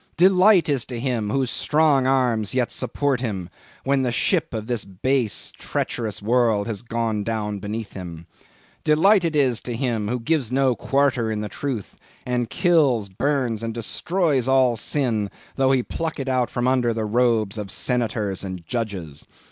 Delight is to him whose strong arms yet support him, when the ship of this base treacherous world has gone down beneath him. Delight is to him, who gives no quarter in the truth, and kills, burns, and destroys all sin though he pluck it out from under the robes of Senators and Judges.